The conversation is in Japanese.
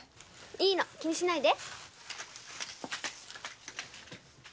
いいの気にしないで。